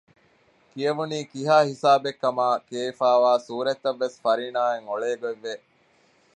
ކިޔެވުނީ ކިހާ ހިސާބެއްކަމާ ކިޔެވިފައިވާ ސޫރަތްތައްވެސް ފަރީނާއަށް އޮޅޭގޮތްވެ